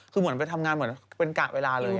คือเหมือนไปทำงานเหมือนเป็นกะเวลาเลย